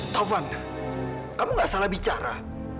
taufan kamu gak salah bicara